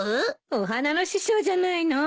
お花の師匠じゃないの。